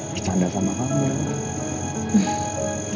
bercanda sama kamu